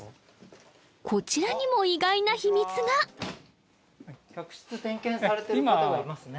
こちらにも意外な秘密が客室点検されてる方がいますね